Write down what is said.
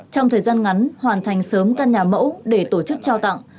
trong thời gian ngắn hoàn thành sớm căn nhà mẫu để tổ chức trao tặng